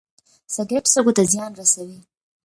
سګرټ سږو ته زیان رسوي